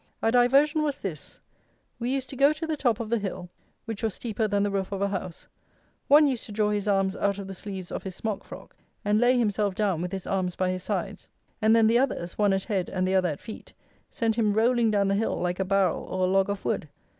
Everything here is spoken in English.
Our diversion was this: we used to go to the top of the hill, which was steeper than the roof of a house; one used to draw his arms out of the sleeves of his smock frock, and lay himself down with his arms by his sides; and then the others, one at head and the other at feet, sent him rolling down the hill like a barrel or a log of wood.